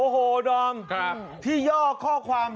หัวดูลาย